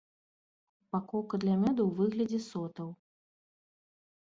Упакоўка для мёду ў выглядзе сотаў.